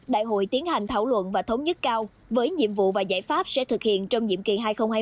đại hội tiến hành thảo luận và thống nhất cao với nhiệm vụ và giải pháp sẽ thực hiện trong nhiệm kỳ hai nghìn hai mươi hai nghìn hai mươi năm